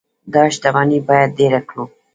دا شتمني باید ډیره کړو.